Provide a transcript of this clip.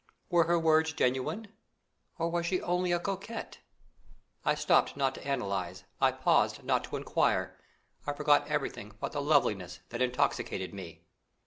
Were her words genuine, or was she only a coquette? I stopped not to analyse; I paused not to enquire; I forgot everything but the loveliness that intoxicated me.